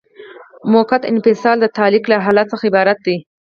موقت انفصال د تعلیق له حالت څخه عبارت دی.